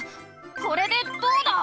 これでどうだ！